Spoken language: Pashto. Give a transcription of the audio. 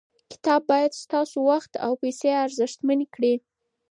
کتاب باید ستاسو وخت او پیسې ارزښتمن کړي.